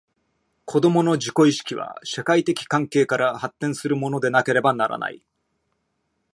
子供の自己意識は、社会的関係から発展するものでなければならない。